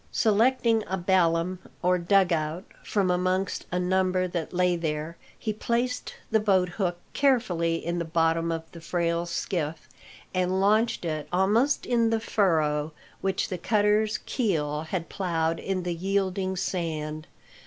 Selecting a ballam or "dug out" from amongst a number that lay there, he placed the boathook carefully in the bottom of the frail skiff, and launched it almost in the furrow which the cutter's keel had ploughed in the yielding sand.